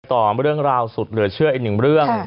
ต่อเรื่องราวสุดเหลือเชื่ออีกหนึ่งเรื่อง